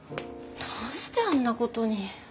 どうしてあんなことに。